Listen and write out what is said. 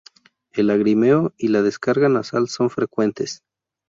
El lagrimeo y la descarga nasal son frecuentes.